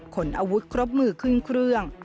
ขนอาวุธครบมือขึ้นเครื่อง